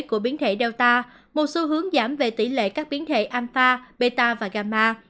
của biến thể delta một xu hướng giảm về tỷ lệ các biến thể alpha beta và gamma